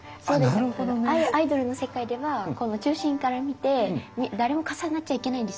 アイドルの世界では中心から見て誰も重なっちゃいけないんですよ。